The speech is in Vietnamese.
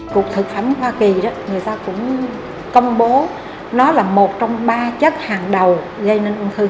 cục thực phẩm hoa kỳ người ta cũng công bố nó là một trong ba chất hàng đầu gây nên ung thư